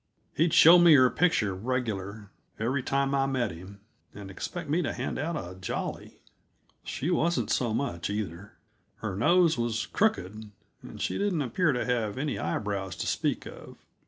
He'd show me her picture regular, every time I met him, and expect me to hand out a jolly. She wasn't so much, either. Her nose was crooked, and she didn't appear to have any eyebrows to speak of.